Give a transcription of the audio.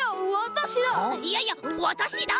いやいやわたしだ！